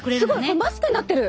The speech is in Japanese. これマスクになってる！